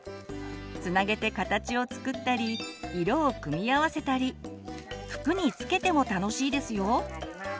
つなげて形を作ったり色を組み合わせたり服に付けても楽しいですよ！